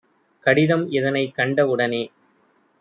கடிதம் இதனைக் கண்ட வுடனே